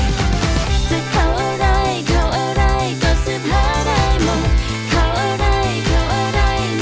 สามารถรับชมได้ทุกวัย